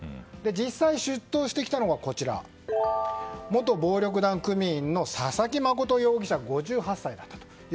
実際、出頭してきたのが元暴力団組員の佐々木誠容疑者、５８歳だったと。